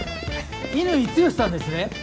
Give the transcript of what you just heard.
乾剛さんですね？